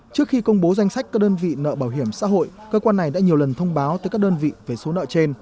trước khi công bố danh sách các đơn vị nợ bảo hiểm xã hội cơ quan này đã nhiều lần thông báo tới các đơn vị về số nợ trên